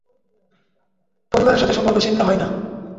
পরিবারের সাথে সম্পর্ক ছিন্ন হয় না।